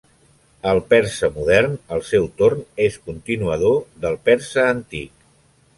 El persa modern, al seu torn, és continuador del persa antic.